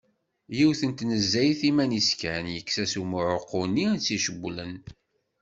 Yiwet n tnezzayt iman-is kan, yekkes-as umɛuqqu-nni tt-icewlen.